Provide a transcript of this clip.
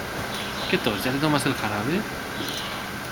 Qué tos, ¿ya te tomaste el jarabe?